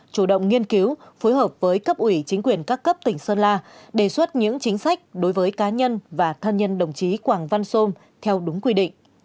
chủ động nghiên cứu phối hợp với cấp ủy chính quyền các cấp tỉnh sơn la đề xuất những chính sách đối với cá nhân và thân nhân đồng chí quảng văn sôm theo đúng quy định